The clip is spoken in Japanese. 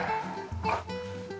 あっ！